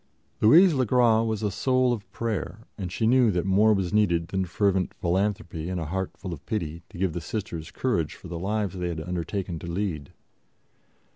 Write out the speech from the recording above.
Louise le Gras was a soul of prayer, and she knew that more was needed than fervent philanthropy and a heart full of pity to give the Sisters courage for the lives they had undertaken to lead.